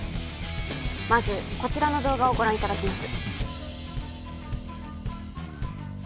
まずこちらの動画をご覧いただきます